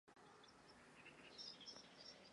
Entertainment.